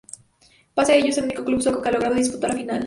Pese a ello, es el único club sueco que ha logrado disputar la final.